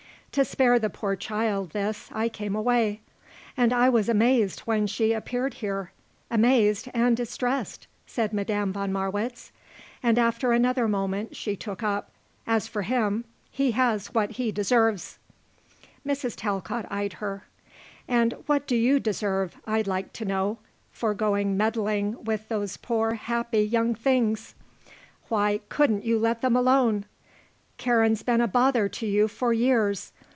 To spare the poor child this I came away. And I was amazed when she appeared here. Amazed and distressed," said Madame von Marwitz. And after another moment she took up: "As for him, he has what he deserves." Mrs. Talcott eyed her. "And what do you deserve, I'd like to know, for going meddling with those poor happy young things? Why couldn't you let them alone? Karen's been a bother to you for years.